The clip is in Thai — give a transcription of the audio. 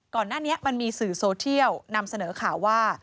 ก่อนหน้านี้มันมีสื่อโซเทียลนำเสนอข่าวว่า